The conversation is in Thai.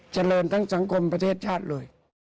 เจริญทั้งสังคมประเทศชาติเลย